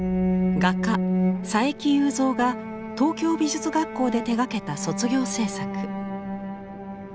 画家佐伯祐三が東京美術学校で手がけた卒業制作。